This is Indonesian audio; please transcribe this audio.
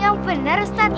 yang benar ustadz